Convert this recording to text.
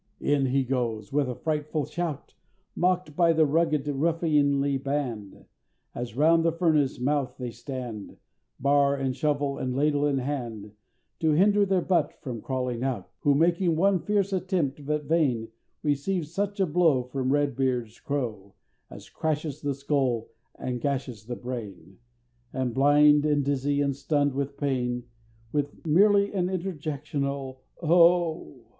In he goes! with a frightful shout Mock'd by the rugged ruffianly band, As round the Furnace mouth they stand, Bar, and shovel, and ladle in hand, To hinder their Butt from crawling out, Who making one fierce attempt, but vain, Receives such a blow From Red Beard's crow As crashes the skull and gashes the brain, And blind, and dizzy, and stunn'd with pain, With merely an interjectional "oh!"